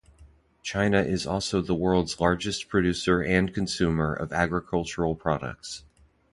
China is also the world's largest producer and consumer of agricultural products.